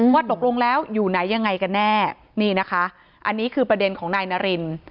ว่าตกลงแล้วอยู่ไหนยังไงกันแน่นี่นะคะอันนี้คือประเด็นของนายนาริน